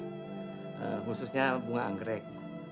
khususnya bunga anggrek